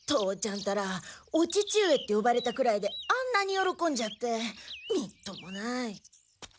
ったらお父上って呼ばれたくらいであんなに喜んじゃってみっともない。